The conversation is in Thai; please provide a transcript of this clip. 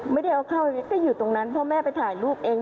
ไม่ได้เอาเข้าก็อยู่ตรงนั้นเพราะแม่ไปถ่ายรูปเอง